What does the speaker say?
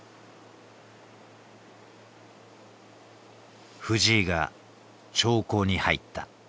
藤井が長考に入った。